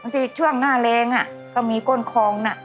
ที่ช่วงหน้าแรงก็มีก้นคลองน่ะ